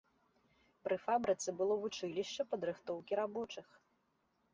Пры фабрыцы было вучылішча падрыхтоўкі рабочых.